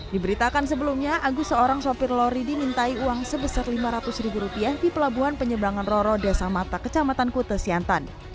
diberitakan sebelumnya agus seorang sopir lori dimintai uang sebesar lima ratus ribu rupiah di pelabuhan penyeberangan roro desa mata kecamatan kute siantan